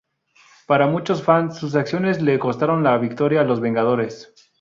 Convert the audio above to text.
Para muchos fans, sus acciones le costaron la victoria a los Vengadores.